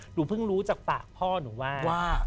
หนูเพิ่งรู้จากปากพ่อหนูว่า